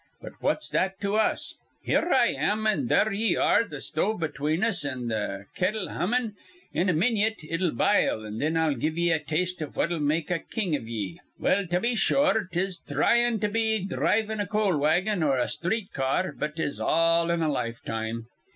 But what's that to us? Here I am, an' there ye are, th' stove between us an' th' kettle hummin'. In a minyit it'll bile, an' thin I'll give ye a taste iv what'll make a king iv ye. "Well, tubby sure, 'tis thryin' to be dhrivin' a coal wagon or a sthreet car; but 'tis all in a lifetime.